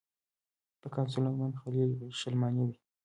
پۀ قام سليمان خيل، شلمانے دے ۔